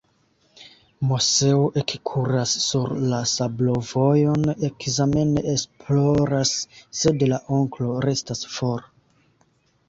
Moseo ekkuras sur la sablovojon, ekzamene esploras, sed la onklo restas for.